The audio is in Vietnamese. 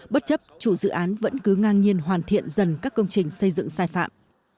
bất chấp chủ dự án vẫn cứ ngang nhiên hoàn thiện dần các công trình xây dựng sai phạm